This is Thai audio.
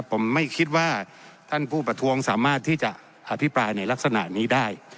ผมไม่คิดว่าท่านผู้ประท้วงสามารถที่จะอภิปรายในลักษณะนี้ได้